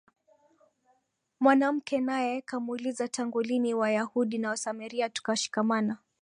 Mwanamke naye kamuuliza, tangu lini wayahudi na wasamaria tukashikamana?